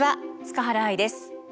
塚原愛です。